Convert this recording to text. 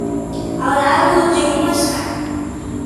Ao lado de uma escada